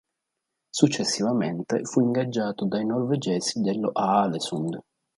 Successivamente, fu ingaggiato dai norvegesi dello Aalesund.